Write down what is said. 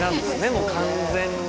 もう完全に。